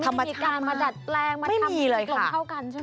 ธรรมชาติมาดัดแปลงมาทำให้มันตรงเท่ากันใช่มั้ย